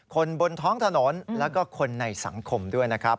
บนท้องถนนแล้วก็คนในสังคมด้วยนะครับ